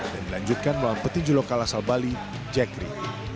dan dilanjutkan melawan petinju lokal asal bali jackery